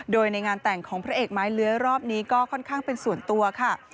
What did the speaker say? โดยในงานแต่งของพระเอกไม้เลื้อยรอบนี้ก็ค่อนข้างเป็นส่วนตัวค่ะ